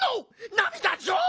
なみだジョ！